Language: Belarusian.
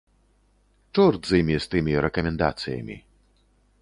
Чорт з імі, з тымі рэкамендацыямі.